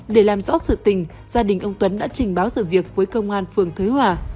để làm rõ sự tình gia đình ông tuấn đã trình báo sự việc với công an phường thới hòa